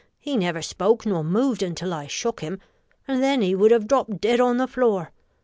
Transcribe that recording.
He never spoke nor moved until I shook him; and then he would have dropped dead on the floor.